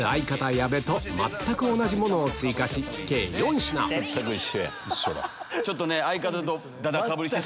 矢部と全く同じものを追加全く一緒や。